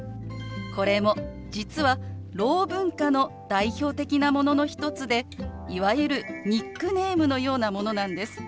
これも実はろう文化の代表的なものの一つでいわゆるニックネームのようなものなんです。